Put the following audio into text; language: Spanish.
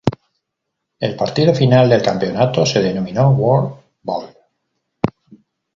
El partido final del campeonato se denominó World Bowl.